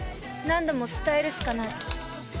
何度も伝えるしかない。